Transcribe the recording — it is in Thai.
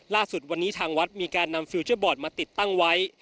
ล่าสุดวันนี้ทางวัดมีการนำฟิลเจอร์บอร์ดมาติดตั้งไว้